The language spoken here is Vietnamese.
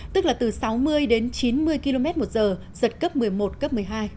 tức là từ sáu mươi đến chín mươi km một giờ giật cấp một mươi một cấp một mươi hai